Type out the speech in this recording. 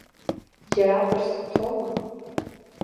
Џьаракыр сцома.